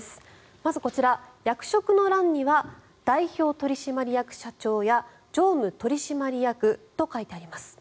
まずこちら役職の欄には代表取締役社長や常務取締役と書いてあります。